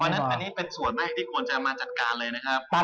เพราะฉะนั้นอันนี้เป็นส่วนให้ที่ควรจะมาจัดการเลยนะครับ